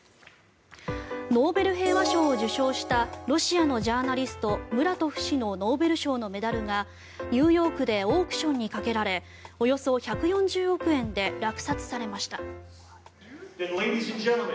ノーベル平和賞を受賞したロシアのジャーナリストムラトフ氏のノーベル賞のメダルがニューヨークでオークションにかけられおよそ１４０億円で落札されました。